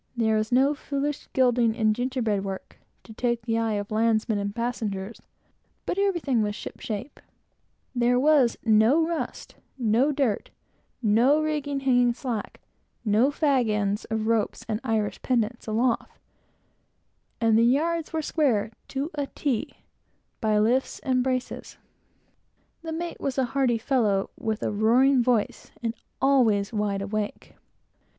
There was no foolish gilding and gingerbread work, to take the eye of landsmen and passengers, but everything was "ship shape and Bristol fashion." There was no rust, no dirt, no rigging hanging slack, no fag ends of ropes and "Irish pendants" aloft, and the yards were squared "to a t" by lifts and braces. The mate was a fine, hearty, noisy fellow, with a voice like a lion, and always wide awake.